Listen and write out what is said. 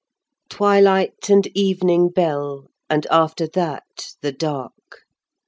Twilight and evening bell, And after that the dark!